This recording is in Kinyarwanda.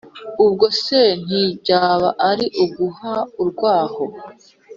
Ubwo se ntibyaba ari uguha urwaho